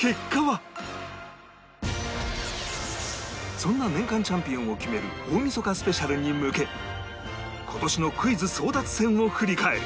そんな年間チャンピオンを決める大晦日スペシャルに向け今年のクイズ争奪戦を振り返る